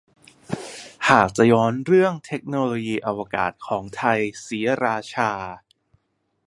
หากจะย้อนเรื่องเทคโนโลยีอวกาศของไทยศรีราชา